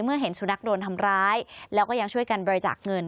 เห็นสุนัขโดนทำร้ายแล้วก็ยังช่วยกันบริจาคเงิน